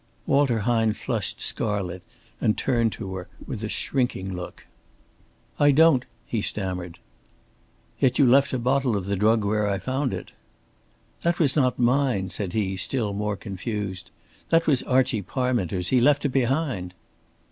Walter Hine flushed scarlet and turned to her with a shrinking look. "I don't," he stammered. "Yet you left a bottle of the drug where I found it." "That was not mine," said he, still more confused. "That was Archie Parminter's. He left it behind."